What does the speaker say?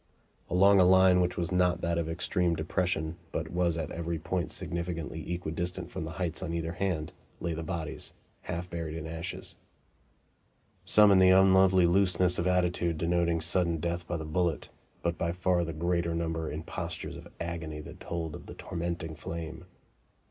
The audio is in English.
Along a line which was not that of extreme depression, but was at every point significantly equidistant from the heights on either hand, lay the bodies, half buried in ashes; some in the unlovely looseness of attitude denoting sudden death by the bullet, but by far the greater number in postures of agony that told of the tormenting flame.